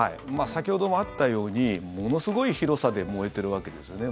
先ほどもあったようにものすごい広さで燃えてるわけですよね。